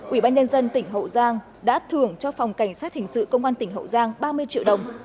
ủy ban nhân dân tỉnh hậu giang đã thưởng cho phòng cảnh sát hình sự công an tỉnh hậu giang ba mươi triệu đồng